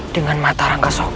dengan mata rangga soga